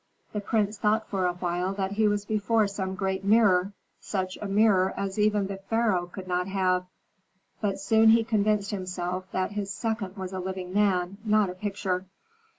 The prince thought for a while that he was before some great mirror, such a mirror as even the pharaoh could not have. But soon he convinced himself that his second was a living man, not a picture.